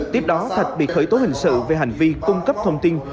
tiếp đó thạch bị khởi tố hình sự về hành vi cung cấp thông tin